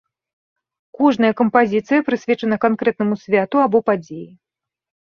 Кожная кампазіцыя прысвечана канкрэтнаму святу або падзеі.